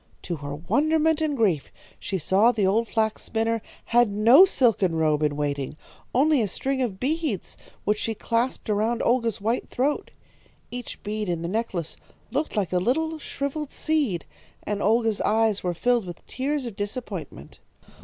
To her wonderment and grief she saw the old flax spinner had no silken robe in waiting, only a string of beads which she clasped around Olga's white throat. Each bead in the necklace looked like a little shrivelled seed, and Olga's eyes were filled with tears of disappointment.